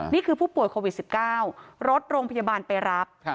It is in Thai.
นี่คือผู้ป่วยโควิด๑๙รถโรงพยาบาลไปรับ